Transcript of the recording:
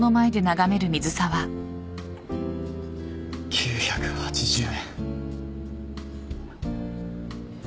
９８０円。